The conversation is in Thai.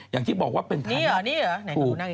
อย่างที่บอกว่าเป็นทันนี่หรอนี่หรอไหนของคุณหน้ากัน